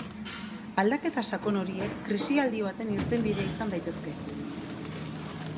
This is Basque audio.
Aldaketa sakon horiek krisialdi baten irtenbidea izan daitezke.